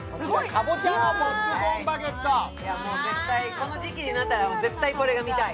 この時期になったら絶対これが見たい。